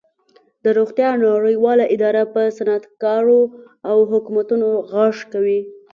د روغتیا نړیواله اداره په صنعتکارو او حکومتونو غږ کوي